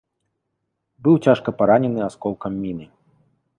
Быў цяжка паранены асколкам міны.